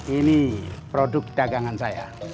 ini produk dagangan saya